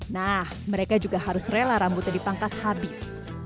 nah mereka juga harus rela rambutnya dipangkas habis